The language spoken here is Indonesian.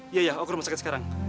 iya iya aku rumah sakit sekarang